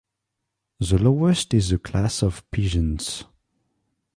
The lowest is the class of peasants.